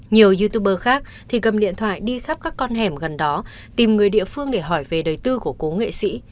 nhiều youtuber khác thì cầm điện thoại đi khắp các con hẻm gần đó tìm người địa phương để hỏi về đời tư của cố nghệ sĩ